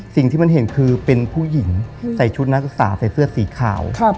สิ่งที่มันเห็นคือเป็นผู้หญิงใส่ชุดนักศึกษาใส่เสื้อสีขาว